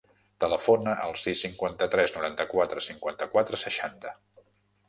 Telefona al sis, cinquanta-tres, noranta-quatre, cinquanta-quatre, seixanta.